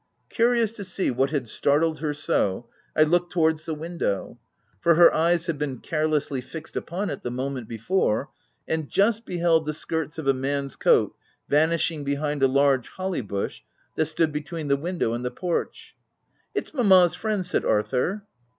Curious to see what had startled her so, I looked towards the window,— for her eyes had been carelessly fixed upon it the moment before — and just beheld the skirts of a man's coat vanishing behind a large holly bush that stood between the window and the porch. "It's Mamma's friend," said Arthur.